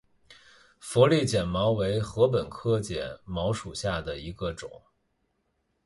佛利碱茅为禾本科碱茅属下的一个种。